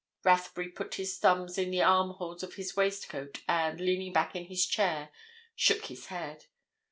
Rathbury put his thumbs in the armholes of his waistcoat and, leaning back in his chair, shook his head.